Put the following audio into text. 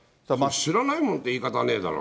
知らないもんっていう言い方はねえだろう。